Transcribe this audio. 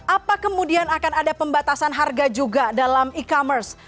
apa kemudian akan ada pembatasan harga juga dalam e commerce